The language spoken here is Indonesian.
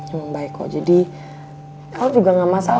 emang baik kok jadi el juga gak masalah